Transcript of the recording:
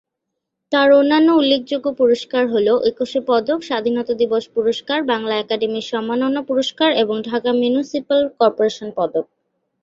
তার অন্যান্য উল্লেখযোগ্য পুরস্কার হল একুশে পদক, স্বাধীনতা দিবস পুরস্কার, বাংলা একাডেমির সম্মাননা পুরস্কার এবং ঢাকা মিউনিসিপ্যাল কর্পোরেশন পদক।